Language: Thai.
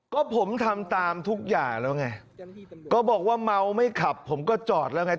ก็ผมทำตามทุกอย่างแล้วไงก็บอกว่าเมาไม่ขับผมก็จอดแล้วไง